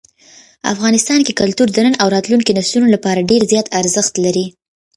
افغانستان کې کلتور د نن او راتلونکي نسلونو لپاره ډېر زیات ارزښت لري.